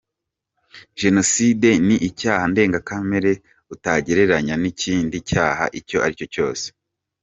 Jenoside ni icyaha ndengakamere utagereranya n’ikindi cyaha icyo aricyo cyose.